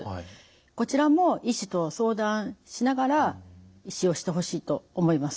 こちらも医師と相談しながら使用してほしいと思います。